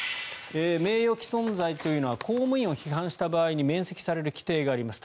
名誉毀損罪というのは公務員を批判した場合に免責される規定があります。